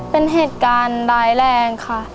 เป็นเหตุการณ์ร้ายแรงค่ะ